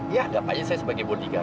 ya gapanya saya sebagai bodyguard